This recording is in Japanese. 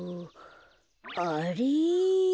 あれ？